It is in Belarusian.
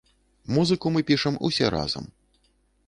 Музыку мы пішам усе разам.